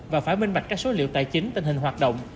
và phải minh bạch các số liệu tài chính tình hình hoạt động